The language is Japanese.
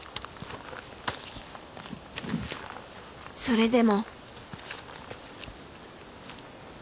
それでも。